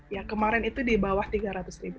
ya kemarin itu di bawah tiga ratus ribu